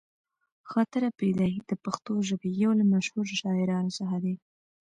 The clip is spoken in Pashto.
خاطر اپريدی د پښتو ژبې يو له مشهورو شاعرانو څخه دې.